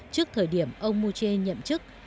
trước thời điểm ông moon jae in nhậm chức